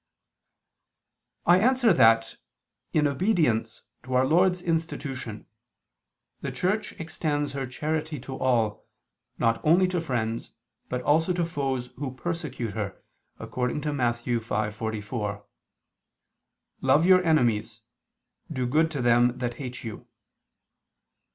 I answer that, In obedience to Our Lord's institution, the Church extends her charity to all, not only to friends, but also to foes who persecute her, according to Matt. 5:44: "Love your enemies; do good to them that hate you."